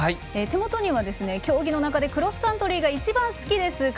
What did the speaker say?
手元には競技の中でクロスカントリーが一番好きです！